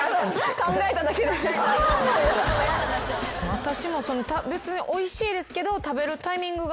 私も別においしいですけど。